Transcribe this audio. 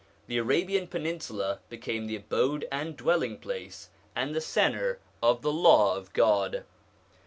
The Arabian Peninsula became the abode and dwelling place, and the centre of the Law of God.